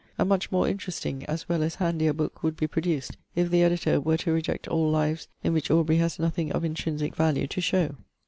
A much more interesting, as well as handier, book would be produced, if the editor were to reject all lives in which Aubrey has nothing of intrinsic value to show.